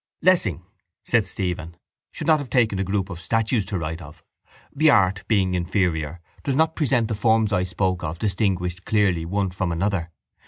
—Lessing, said Stephen, should not have taken a group of statues to write of. The art, being inferior, does not present the forms I spoke of distinguished clearly one from another.